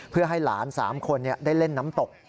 เพื่อให้หลาน๓คนได้เล่นน้ำตก